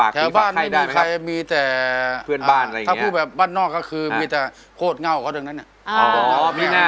แถวบ้านไม่มีอะไรมีแต่ถ้าพูดแบบบ้านนอกมีแต่ครอบครองก็ดี